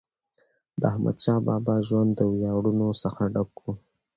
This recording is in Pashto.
د احمدشاه بابا ژوند د ویاړونو څخه ډک و.